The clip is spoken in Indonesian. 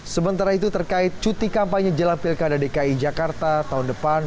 sementara itu terkait cuti kampanye jelang pilkada dki jakarta tahun depan